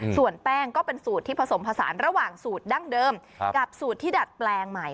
ส่วนแป้งก็เป็นสูตรที่ผสมผสานระหว่างสูตรดั้งเดิมกับสูตรที่ดัดแปลงใหม่